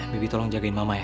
bibi tolong jagain mama ya